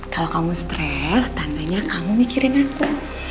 kalau kamu stres tandanya kamu mikirin aku